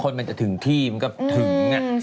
มันจะถึงที่มันก็ถึง